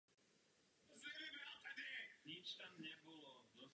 Blahopřeji panu Schwabovi k práci, kterou dosud odvedl.